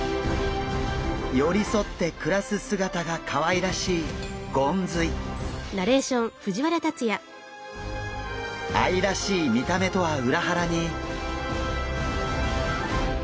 寄り添って暮らす姿がかわいらしい愛らしい見た目とは裏腹に。